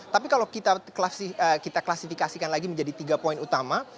tapi kalau kita klasifikasikan lagi menjadi tiga poin utama